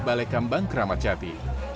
balai kambang keramat jati